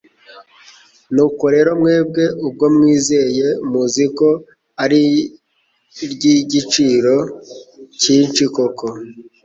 Nuko rero mwebwe ubwo mwizeye, muzi ko ari iry'igiciro cyinshi koko,